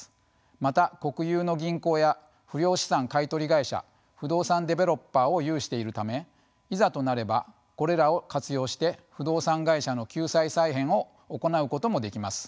また国有の銀行や不良資産買い取り会社不動産デベロッパーを有しているためいざとなればこれらを活用して不動産会社の救済・再編を行うこともできます。